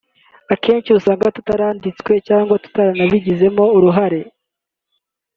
akenshi usanga tutaranditse cyangwa tutaragizemo uruhare”